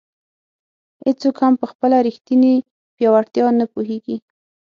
هیڅوک هم په خپله ریښتیني پیاوړتیا نه پوهېږي.